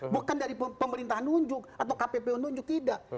bukan dari pemerintah nunjuk atau kppu nunjuk tidak